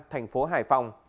thành phố hải phòng